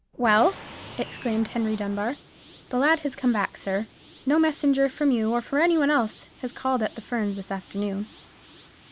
"Well?" exclaimed Henry Dunbar. "The lad has come back, sir. No messenger from you or any one else has called at the Ferns this afternoon."